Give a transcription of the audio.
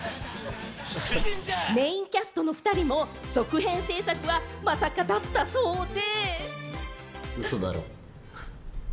メインキャストの２人も続編制作はまさか、だったそうで。